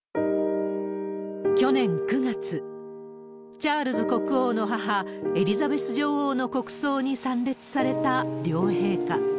去年９月、チャールズ国王の母、エリザベス女王の国葬に参列された両陛下。